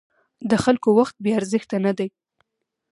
د خلکو وخت بې ارزښته نه دی.